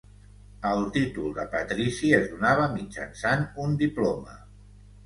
El títol de patrici es donava mitjançant un diploma.